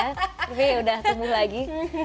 tapi ya udah ketemu lagi